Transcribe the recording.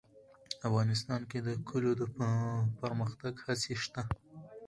افغانستان کې د کلیو د پرمختګ هڅې شته.